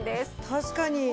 確かに。